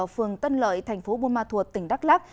phường tân lợi tp buôn ma thuột tỉnh đắk lắk